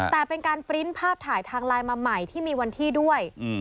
แต่เป็นการปริ้นต์ภาพถ่ายทางไลน์มาใหม่ที่มีวันที่ด้วย